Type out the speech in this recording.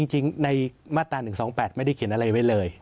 จริงในมาตรา๑๒๘ไม่ได้เขียนอะไรไว้เลย